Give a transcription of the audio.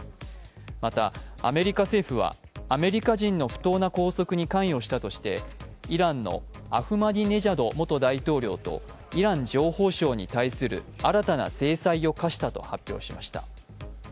また、アメリカ政府はアメリカ人の不当な拘束に関与したとしてイランのアフマディネジャド元大統領とイラン情報省に対する新たな制裁を科したと発表しました。